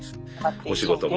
お仕事も。